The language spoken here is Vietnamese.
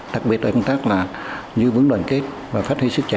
đặc biệt là công tác giữ vững đoàn kết và phát huy sức truyền thống